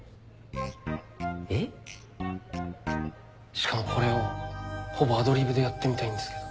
しかもこれをほぼアドリブでやってみたいんですけど。